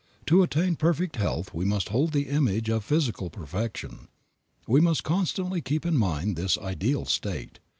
To attain perfect health we must hold the image of physical perfection, we must constantly keep in mind this ideal state.